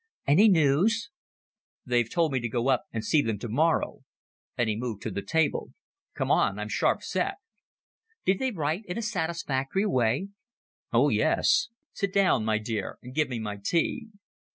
"Any news?" "They've told me to go up and see them to morrow;" and he moved to the table. "Come on. I'm sharp set." "Did they write in a satisfactory way?" "Oh, yes. Sit down, my dear, and give me my tea."